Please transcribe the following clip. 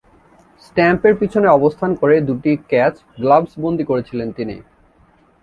স্ট্যাম্পের পিছনে অবস্থান করে দুইটি ক্যাচ গ্লাভস বন্দী করেছিলেন তিনি।